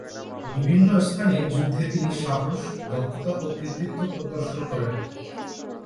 বিভিন্ন স্থানে যুদ্ধে তিনি সাহস, দক্ষতা ও কৃতিত্ব প্রদর্শন করেন।